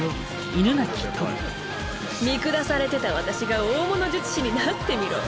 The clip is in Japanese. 見下されてた私が大物術師になってみろ。